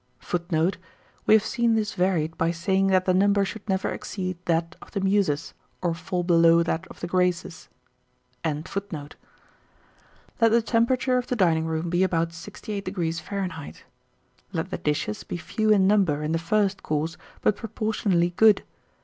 [Footnote: We have seen this varied by saying that the number should never exceed that of the Muses or fall below that of the Graces.] Let the temperature of the dining room be about 68°. Let the dishes be few in number in the first course, but proportionally good.